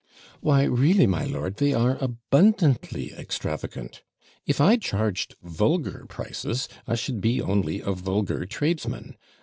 'Why, really, my lord, they are ABUNDANTLY extravagant; if I charged vulgar prices, I should be only a vulgar tradesman.